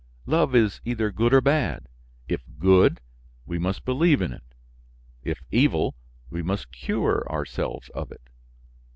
Love is either good or bad: if good, we must believe in it; if evil, we must cure ourselves of it.